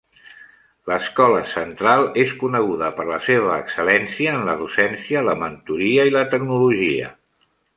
L'Escola Central és coneguda per la seva excel·lència en la docència, la mentoria i la tecnologia.